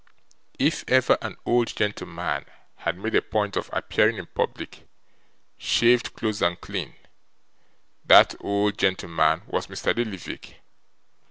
If ever an old gentleman had made a point of appearing in public, shaved close and clean, that old gentleman was Mr. Lillyvick.